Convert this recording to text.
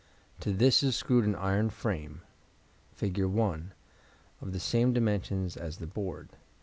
To this is screwed an iron frame (Fig. 1) of the same dimensions as the board.